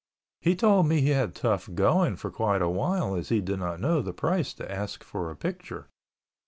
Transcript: He told me he had tough going for quite awhile as he did not know the price to ask for a picture.